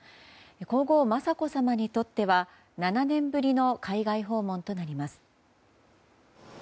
皇后・雅子さまにとっては７年ぶりの海外訪問となります。